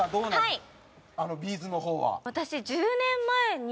はい。